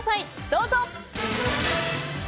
どうぞ。